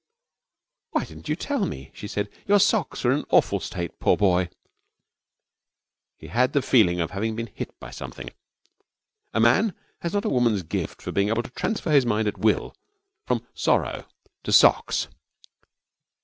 'Why didn't you tell me?' she said. 'Your socks are in an awful state, poor boy!' He had the feeling of having been hit by something. A man has not a woman's gift of being able to transfer his mind at will from sorrow to socks.